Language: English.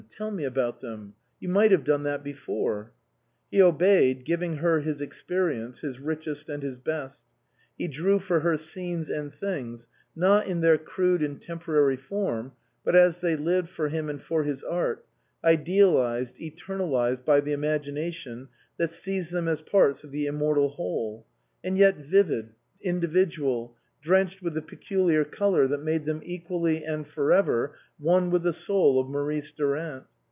Tell me about them. You might have done that before." He obeyed, giving her his experience, his richest and his best ; he drew for her scenes and things, not in their crude and temporary form, but as they lived for him and for his art, idealized, eternalized by the imagination that sees them as parts of the immortal whole ; and yet vivid, individual, drenched with the peculiar colour that made them equally and for ever one with the soul of Maurice Durant.